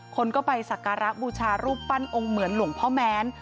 คนก็ไปสักการะบูชารูปปั้นองค์เหมือนหลวงพ่อแม้น